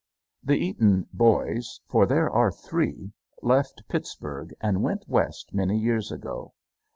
The Eaton "boys" for there are three left Pittsburg and went West many years ago.